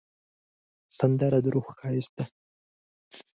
سندره د روح ښایست دی